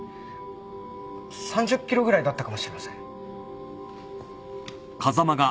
３０キロぐらいだったかもしれません。